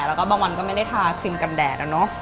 แล้วก็บางวันก็ไม่ได้ทาครีมกันแดดอะเนาะ